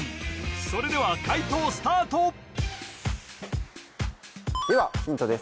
それでは解答スタートではヒントです